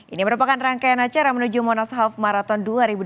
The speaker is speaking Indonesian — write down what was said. ini merupakan rangkaian acara menuju monashalf marathon dua ribu dua puluh